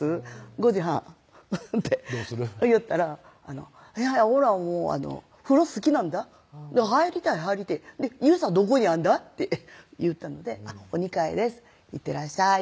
「５時半」って言ったら「おらもう風呂好きなんだ入りてぇ入りてぇ」「湯さどこにあんだ？」って言ったので「お２階ですいってらっしゃい」